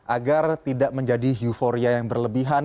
agar tidak menjadi euforia yang berlebihan